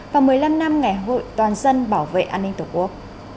và một mươi năm năm ngày hội toàn dân bảo vệ an ninh tổ quốc